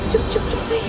cuk cuk cuk sayang